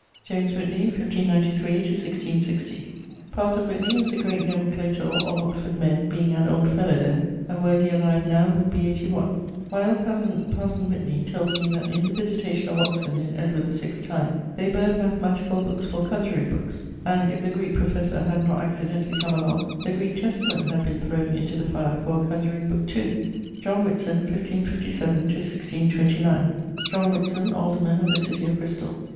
=James Whitney= (1593 166 ). Parson Whitney was a great nomenclator of Oxford men, being an old fellow there; and were he alive now would be 81. My old cosen, parson Whitney, told me that in the visitation of Oxon in Edward VI's time they burned mathematical bookes for conjuring bookes, and, if the Greeke professor had not accidentally come along, the Greeke testament had been thrown into the fire for a conjuring booke too. =John Whitson= (1557 1629). John Whitson, alderman of the city of Bristol.